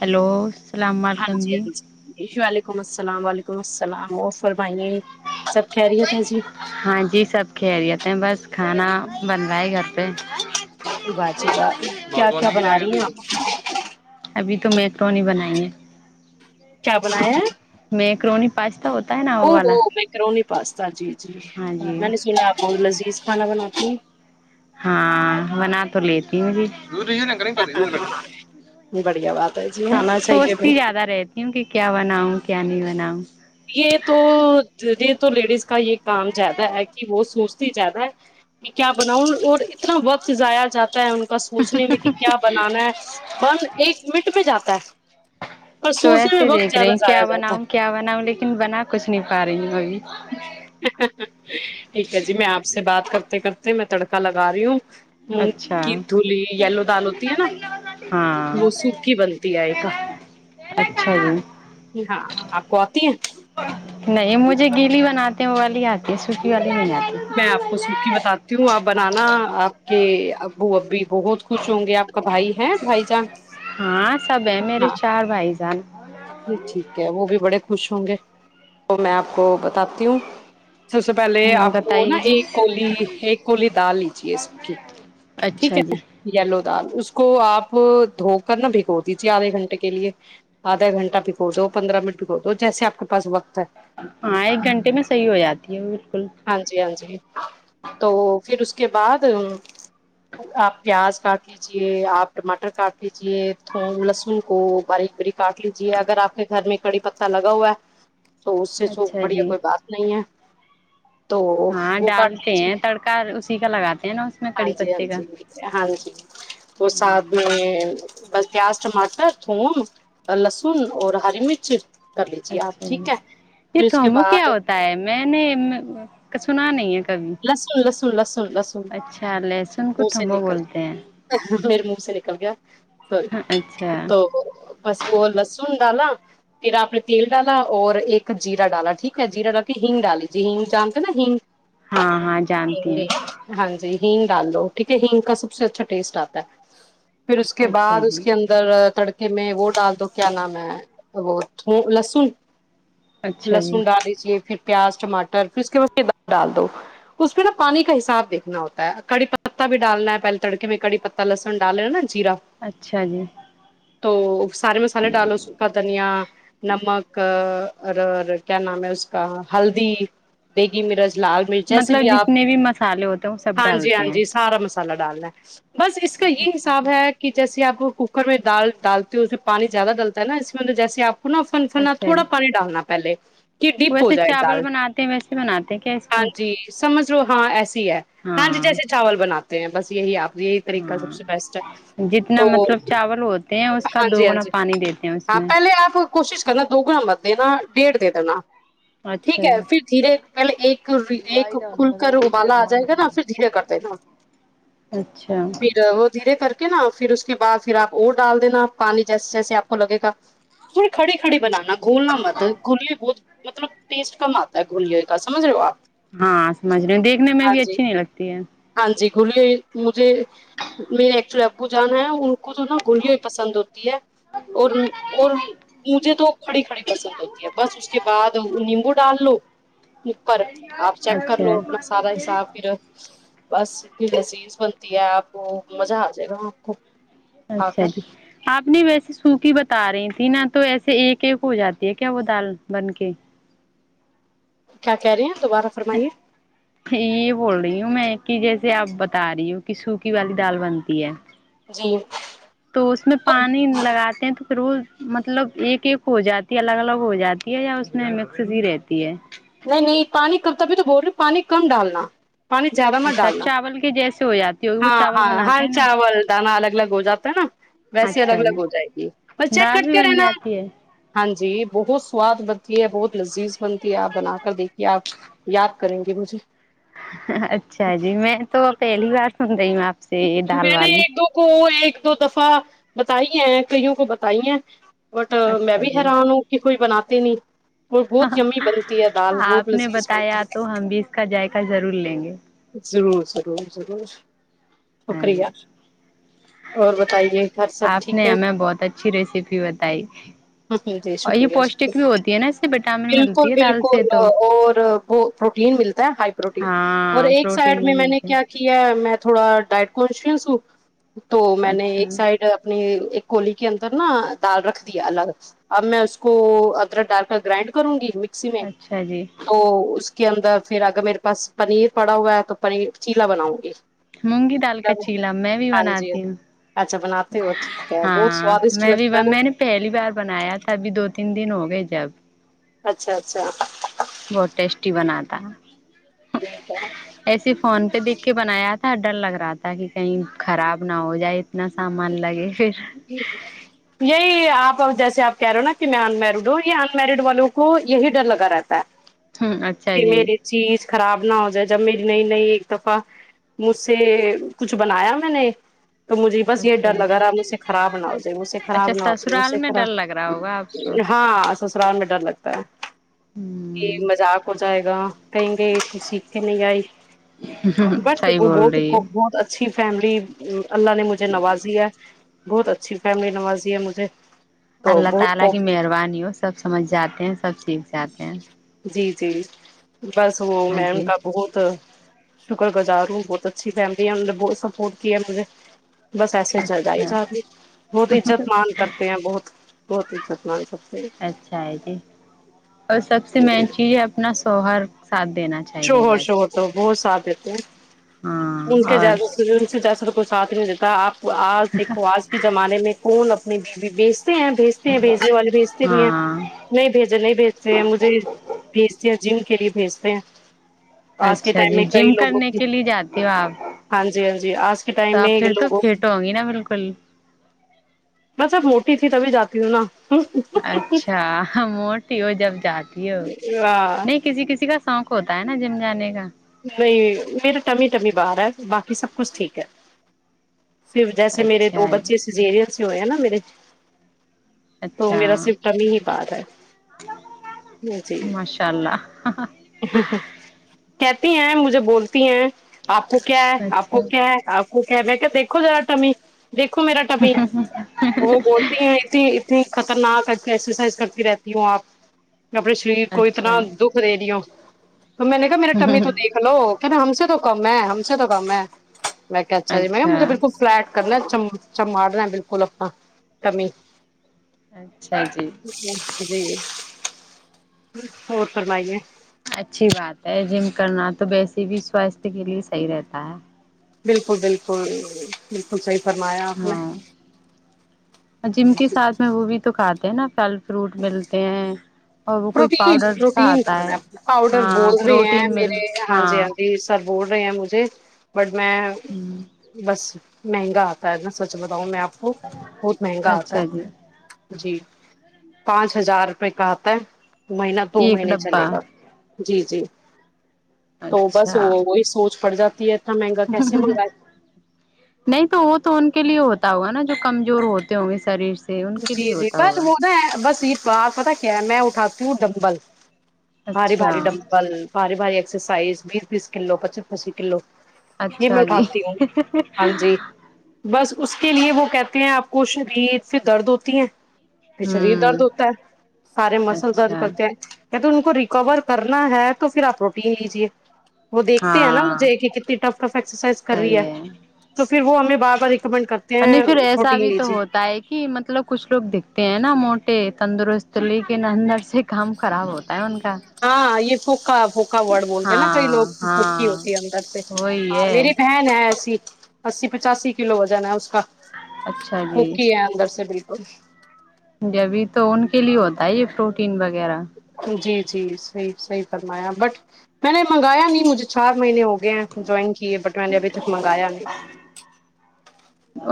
hello السلام ہاں علیکم جی ہاں جی وعلیکم السلام وعلیکم السلام وفر بھائیے سب خرییت ہے جی ہاں جی سب خیریت بس کھانا بنوائے گھر پہ جی کیا کیا بنا رہی ہیں ابھی تو میکرونی بنائیے کیا بناے ہیں پاستا ہے نا وہ ہو والا میں کرو پاستا چیز جی ہاں میں نے سونا آپ کو لذیذ کھانا بناانا جی ہاں بنا تو لیتی بھی بڑھیا بات ہے جی آنا چاہیے بھائی سوچتی زیادہ رہتی ہوں کہ کیا بنا ہوں کیا نہیں بنا [inaudible] یہ تو یہ تو لیڈیز کا یہ کام زیادہ ہے کہ وہ سوچ زیادہ ہے کہ کیا بناؤں اور اتنا وقت جایا جاتا ہے ان کے سوچنے میں کہ کیا بنانا ہے بن ایک منٹ میں جاتا ہے اور تو سوچنے میں ایسے وقت دیکھ رہی ہوں زیادہ جایا کیا جاتا بناؤں ہے کیا بناؤں لیکن بنا کچھ نہیں پا رہی وہ اب بھی ٹھیک ہے جی میں آپ سے بات کر تے کرتے میں تڑکا لگا رہی ہوں مونگ اچھا کی دھلی یلو دال ہوتی ہے نا ہاں وہ سوکھی بنتی ہے ایک اچھا جی ہاں آپ کو آتی ہے نہیں مجھے گیلی آتے ہیں وہ والی آتی ہے سو والی نہیں میں آپ کو سوکھی آتی بتاتی ہوں آپ بنانا آپ کہ ابو اب بھی بہت خوش ہوں گے آپ کا بھائی ہے بھائی جان ہاں سب ہے میرے چار بھائی جان جی ٹھیک ہے وہ بھی بڑے خوش ہوں گے تو میں آپ کو بتاتی ہوں سب سے پہلے آپ کو نا بتائیے جی ایک کولی ایک کولی دال لیجیے سب کی ٹھیک اچھا ہے جی نا یلو دال اس اس کو آپ دھو کر نہا بھگو دیجیے آدھے گھنٹے کے لیے آدھا گھنٹے بکو دو پندرہ منٹ ب کو دو جیس آپ کے پس وقت ہے ہاں ایک گھنٹے میں صحیح ہو جاتی ہے بالکل ہاں جی ہاں جی تو پھر اس کے بعد آپ پیاز کاٹ لیجیے آپ ٹماٹر کاٹ لیجے تھ لہسن کو بھری بری کاٹ لیجیے جی اگر آپ کے گھر میں کڑی پتہ لگا ہوا تو اس سے سو اچھا بڑھیا جی کوئی بات نہیں ہے تو ہاں وہ کاٹ لی ڈالتے جی ہیں تڑکا اسی کا لگاتے ہیں نا اس میں ہاں کڑی جی ہاں پتے کا جی ہاں جی تو ساتھ میں بس پیاز ٹماٹر تھون لسن ن اور ہری مرچ کر لیجیے آپ اچھا ج ٹھیک ہے یہ پھر اس کے تھو بعد کیا ہوتا ہے میں نے سنا نہیں ہے کبھی لہسن لسن لسن لسن اچھا لہسن کو منہ سے تھمو نکل بولتے ہیں م منہ سے نکل گیا سی اچھا تو بس وہ لسن ڈالا پھر آپ نے تیل ڈالا اور ایک جییرا ڈالا ٹھیک ہے جیرا ڈال کے ہگ ڈالی جی ہگ جانتے نا ہگ ہاں ہاں جانتی ہوں ہگ ڈال لو ٹھیک ہے ہگ کا سب سے اچھا ٹیسٹ آتا ہے پھر اس کے اچھا بعد اس جی کے اندر تڑک کہ میں وہ ڈال دو کیا نام ہے وہ تھ لہسن اچھا جی لہسن ڈال لیجیے پھر پیاز ٹاٹر پھر اس کے بعد د ڈال دو اس پہ نا پانی کا حساب دیکھنا ہوتا ہے کڑی پہ بھی ڈالنا ہے پہلے تڑکے میں کڑی پتا لہسن ڈالے نا جیرا اچھا جی تو سارے مسالے ڈالو سا دھنیا نمک اور کیا نام ہے اس کا ہلدی دیگی مرز لال مرچ جیسے مطلب آپ جتنے بھی مسالے ہوتے ہیں وہ سب ہاں جی ہاں ڈالتے ہیں جی سارا مسالہ ڈالنا بس اس کا یہ اچھا حساب جی ہے کہ جیسے آپ کوکر میں ڈال ڈالتے ہو اسے پانی زیادہ ڈلتا ہے نا اس میں جیسے آپ ہونا فنفنا اچھا جی تھوڑاانی ڈالنا پہلے کہ ڈپ ہو ویسے جائے چاول دال بناتے ہیں ویسے بناتے کیا اس کو ہاں جی سمجھ لو ہاں ایسے ہے ہاں جی جیسے چاول بناتے ہیں بس یہی آ یہیی طریقہ سب ہاں سے بیسٹ ہے جتنا تو مطلب چاول ہوتے ہیں اس کا ہاں جی ہاں دوگنا جی پانی دیتے ہیں اس ہاں میں پہلے آپ کوشش کرنا دو گ نمبر دینا ڈیھ دین ن اچھا ٹھیک ہے جی پھر دھیرے پہلے ایک ایک کھل کر ابالا آ جائے گا نا پھر دھیرے کرتے نا اچھا پھر وہ دھیرے کر کے نا پھر اس کے بعد پھر آپ اور ڈال دینا پانی جیسے جیسے آپ کو لگے گا تھوڑی کھڑی کھڑی بنانا گولنا مت کلی بہت مطلب ٹیسٹ کم آتا ہے گولے کا سمجھ رہے ہو آپ ہاں سمجھ رہی ہوں دیکھنے میں بھی اچھی نہیں لگتی ہے بھولے مجھے میرے ایکچولی ابو جانا ہے ان کو تو نا گلوں پسند ہوتی ہے اور اور مجھے تو کھڑی کڑی پسند ہوتی ہے بس اس کے بعد نیمبو ڈال لو اپر آپ چیک کر لو اپنا سارا اچھا حساب پھر بس اتنی بسییز بنتی ہے آپ کو مزہ آ جائے گا آپ کو کھا اچھا کر جی آپ نہیں ویسے سوکھی بتا رہی تھی نا تو ایسے ایک ایک ہو جاتی ہے کیا وہ دال بن کے کیا کہہ رہے ہیں دوبارہ فرمائیے یہ بول رہی ہوں میں کہ جیسے اسے آپ بتا رہی ہو کہ سوکی والی دال بنتی ہے جی تو اس میں نہیں پانی لگاتے ہیں تو روز مطلب ایک ایک ہو جاتی ہے الگ الگ ہو جاتی ہے یا اس میں مکسز ہی رہتی ہے نہیں نہیں پانی کب تبھی تو بول رہے پانی کم ڈالنا اچھا چاول کے جیسے ہو جاتی ہوگی وہ چاول بناتے ہیں نا اچھا جی دال بھی بن جاتی ہے [unintelligible] جی بہت سواد بنتی ہے بہت لذیذ بنتی ہے آپ بنا کر دیکھیے آپ یاد کریں گے مجھے اچھا جی میں تو پہلی بار ند گا نے ایک دو کو ایک دو دفعہ بتائی ہیں کئیوں کو بتائی ہیں بٹ میں اچھا بھی جی حیران ہوں کہ کوئی بناات تین اور بہت یمی بنتی ہے دال بہت آپ نے لذذ بتایا بنتی ہے تو ہم بھی اس کا ذائقہ ضرور لیں گے ضرور ضر ضرور [unintelligible] ہاں شکری جی اور بتائیے گھر سب آپ ٹھیک نے ہے ہمیں بہت اچھی ریسیپی بتائی ہ جی اور یہ شکریہ پوشٹک شکری بھی ہوتی ہے نا اس سے وٹامن بالکل ملتی ہے دال سے بالکل تو اور وہ پروٹین ملتا ہے ہائی پروٹین اور ہاں ایک سائڈ پروٹین بھی میں میں نے ملتی کیا کیا میں [unintelligible] تھوڑا ڈائٹ [unintelligible] کونچ سو [unintelligible] تو میں نے اچھا ایک سائڈ اپنی ایک کولی کے اندر نا دال رکھ دیا الگ اب میں اس کو ادرک ڈال کر گرائنڈ کروں گی [unintelligible] اچھا جی ا [unintelligible] کے اندر پھر اگر میرے پاس پنییر پڑا ہوا ہے تو پیر چیلا بناؤں گی [unintelligible] مونگی دال کا چیلا میں بھی ہاں جی بناتی ہوں اچھا بناتے ہو ٹھیک ہے بہت ہاں سوادشٹ میں بھی لگتا ہے میں نے پہلی بار بنایا تھا ابھی دو [unintelligible] تین دن ہو گئے جب [unintelligible] اچھا اچھا بہت ٹیسٹی بناتا ٹھیک ہے ایسیے فون پہ دیکھ کے بنایا تھا ڈر لگ رہا تھا کہ کہیں خراب نہ ہو جائے اتنا سامان لگے پھر یہی آپ جیس آپ کہہ رہ ہو نا کہ میں ان میرڈ ہوں یہ ان میرڈ والوں کو یہی ڈر لگا رہتا ہے ہ اچھا کہ جی میری چیز خراب نہ ہو جائے جب میری نئی نئی ایک دفعہ مجھ سے کچھ بنایا میں نے تو مجھے بس یہ اچھا ڈر جی لگا رہا مجھ سے خراب نہ ہو جائے مجھ سے اچھا خراب نہ ہو جائے مجھ سسرال سے میں ڈر خراب لگ رہا ہوگا آپ کو ہاں ر میں ڈر لگتا ہے ہ یہ مذاق جائے گا کہیں گے سیکھ کے نہیں آئی بٹ صحیح وہ بول بہت رہی ہے بہت اچھی فیملی ا اللہ نے مجھے نوازیا ہے بہت اچھی فیملی نوازی ہے مجھے تو اللہ تعا بہت لا کو کی مہربانی ہو سب سمجھ جاتے ہیں سب سیکھ جاتے ہیں جی جی بس وہ ہاں میں ان جی کا بہت شکر گزار ہوں بہت اچھی فیملی ہے انوں نے بہت سپورٹ کیا ہے مجھے بس ایسے چل جائی اچھا جاتی بہت عزت مان کرتے ہیں بہت بہت اچھاتنا سب اچھا ہے جی اور سب سے مین چیز ہے آپ اپنا سوہر شہور شہور تو بہت سابت اچھ ان ہاں کے اور جاز ان سے جاسر کچ ساتھ نہیں دیتا آپ آج دیکھو آج کے زمانے میں کون نہیں بی بھیجتے ہیں بھیجنے والے بھیجتے بھی ہیں ہاں نہیں بھیجے نہیں بھیجتے ہیں مجھے بھیجتے ہیں جم کے لیے بھیجتے ہیں آج کے اچھا ٹائم جی میں کئی جم لوگوں کرنے کے لیے جاتی ہو آپ ہاں جی ہاں جی آج کے تو ٹائم آپ میں یہ پھر تو لوگوں کی فٹ ہوں گی نا بالکل میںط سب موٹی تھی تبھی جاتی پ نا اچھا موٹی ہو جب جات نہیں کسی کسی کا سانخ ہوتا ہے نا جم جانے کا نہیں میرا ٹمی ٹمی باہار ہے باقی سب کچھ ٹھیک ہے پھر جیسے میرے دو اچھا بچے سجیریل سے ہوئے ہیں نا میرے ب تو اچھا میرا صرف کمی ہی بات ہے جی ماشاء اللہ کہتی ہیں مجھے بولتی ہیں آپ کو کیا ہے آپ اچھا کو کیا ہے آپ ٹھیک ہے میں کہ دیکھو دا ٹمی دیکھو میرا ٹپی وہ بولتی ہیں اتنی اتنی خطرناک ایکسرسائز کرتی رہتی ہوں آپ اپنے شریر کو اتنا اچھا دکھ دے دی ہو تو میں نے کہ کمی تو دیکھ لو کیا نا ہم سے تو کم ہے ہم سے تو کم ہے میں کہ اچھای مھے اچھا بالک فلٹ کرناچ س سماالنا بالکل اپنا کمی اچھا جی جچ ج جی اور فرمائی ہے اچھی بات ہے جم کرنا تو ویسے بھی سواستھ کے لیے صحیح رہتا ہے بالکل بالکل بالکل صحیح فرمایا آپ نے ہاں جم کے ساتھ میں وہ بھی تو کھا نہ پہل فروٹ ملتے ہیں اور وہ کوئی پروین پاؤڈر سا پروین آتا کھانا ہے پاؤڈر ہاں بول رہے ہیں پروٹین مل میرے ہاں جی ہاں جی سب بول رہے ہیں مجھے بٹ میں بس مہنگا آتا ہے ن سوچ بتاؤں میں آ وہ بہت مہنگا آ گا ہے اچھا جی جی پانچ ہزار روپئے کا آتا ہے مہینہ دو ایک مہینے چلے ڈبہ گا جی جی تو بس اچھا وہ وہی سوچ پڑ جاتا ت نہیں تو وہ تو تو ان کے لیے ہوتا ہوگا نا جو کمزور ہوتے ہوں گے شریر سے ان کے جی لیے جی ہوتا بس ہوگا وہ ن ہے بس یہ بار پت کیا میں اٹھاتی ہوں ڈمبل بھاری اچھا بھاری ڈمکل باری بھاری سائز بیس بیس کلو پچیس پچی کلو یہ میں اچھا جی اٹھاتی ہوں ہاں جی بس اس کے لیے وہ کہتے ہیں آپ کو شریید پھر درد ہوتی ہیں پھر شریر درد ہوں ہوتا ہے سارے مسل درد اچھا کرتے ہیں کہتے ان کو کور کرنا ہے تو پھر آپ روٹی لے لیجے وہ دیکھتے ہیں نا ہاں مجھے کہ کتنی ٹف ٹف ایکسرسائز کر رہی ہے تو پھر وہ ہمیں بار بار ریکمینڈ کرتے نہیں ہیں پھر ایسا پروٹین بھی تو لیجی ہوتا ہے کہ مطلب کچھ لوگ دیکھتے ہیں نا موٹے تندرست لیکن اندر سے کام خراب ہوتا ان کا ہوکاب پھکا وورڈ بولتے ہیں نا کئی لوگ ہاں پوکی ہاں ہوتی ہے اندر سے وہی ہاں ہے میری بہن ہے ایسی اسی پچاسی کلو ہو جانا ہے اس اچھا جی مک ہی ہے اندر سے بالکل ا جبھی تو ان کے لیے ہوتا ہی یہ پروٹین وغیرہ جی جی صحیح صحیح فرمایا بٹ میں نے منگایا نہیں مجھے چار مہینے ہوگئے گ جوائن کیے بٹ میں نے ابھی تک منگایا نہیں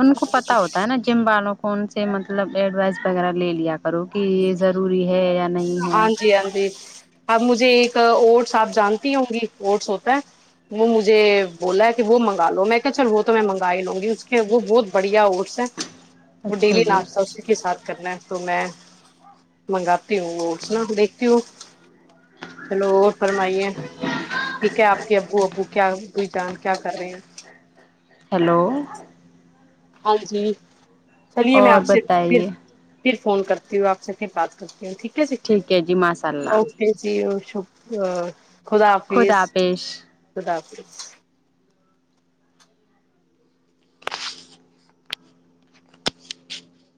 ان کو پتا ہوتا ہے نا جم والوں کو ان سے مطلب ایڈوائس وغیرہ لے لیا کرو کہ یہ ضور ہاں جی ہاں جی اب مجھے ا اوٹس آپ جانتی ہوں گی اوٹس ہوتا ہے وہ مجھے بولا ہے کہ وہ منگا لو میں کہ چل وہ تو میں منگا ہی لوں گی اس کے وہ بہت بڑھیا اوٹس ہے وہ اچھا ڈیلی جی لاس تھا اسی کے ساتھ کرنا تو میں منگاتا یکتی ہ ن دیکھتی ہوں چلو اور فرمائیے ٹھیک ہے آپ کے ابو ابو کیا کوئی جان کیا کر رہے ہیں ہلو ہاں جی چلیے میں اور آپ سے صرف بتائیے صرف فون کرتی ہوں آپ سے پھر بات کرتی ہوں ٹھیک ہے جی ٹھیک ہے جی ماشاء اللہ اوکے جی ا خب ا خدا حافظ خداظ